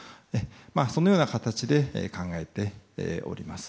そのような形で考えております。